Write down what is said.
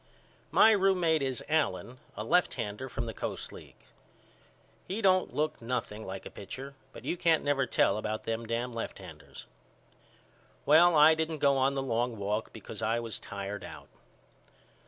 My roommate is Allen a lefthander from the Coast League. He don't look nothing like a pitcher but you can't never tell about them dam left handers. Well I didn't go on the long walk because I was tired out.